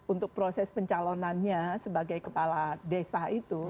untuk proses pencalonannya sebagai kepala desa itu